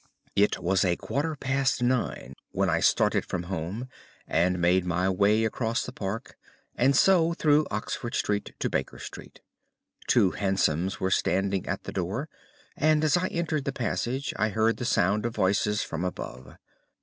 It was a quarter past nine when I started from home and made my way across the Park, and so through Oxford Street to Baker Street. Two hansoms were standing at the door, and as I entered the passage I heard the sound of voices from above.